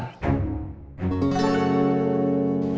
tengok tengok tengok